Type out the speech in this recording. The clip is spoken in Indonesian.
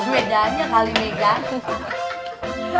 lu bedanya kali megah